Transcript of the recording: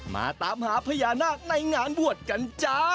มาตามหาพญานาคในงานบวชกันจ้า